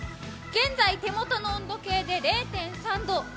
現在、手元の温度計で０．３度。